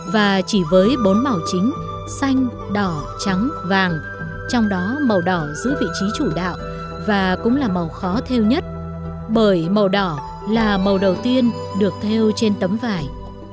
và chỉ với bốn màu chính xanh đỏ trắng vàng trong đó màu đỏ giữ vị trí chủ đạo và cũng là màu khó theo nhất bởi màu đỏ là màu đầu tiên được theo trên tấm vải